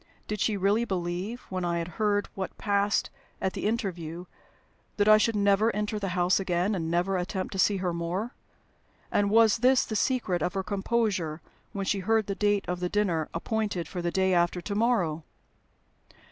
Did she really believe, when I had heard what passed at the interview, that I should never enter the house again, and never attempt to see her more? And was this the secret of her composure when she heard the date of the dinner appointed for "the day after to morrow"?